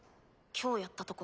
今日やったとこ。